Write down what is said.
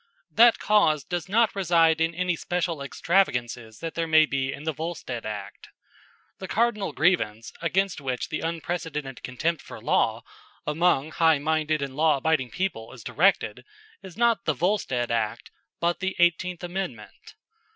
That cause does not reside in any special extravagances that there may be in the Volstead act. The cardinal grievance against which the unprecedented contempt for law among high minded and law abiding people is directed is not the Volstead act but the Eighteenth Amendment.